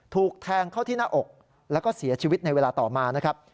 ถูกแทงเข้าที่หน้าอกแล้วก็เสียชีวิตในเวลาต่อมานะครับ